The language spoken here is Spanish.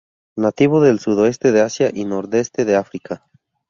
Nativo del sudoeste de Asia y nordeste de África.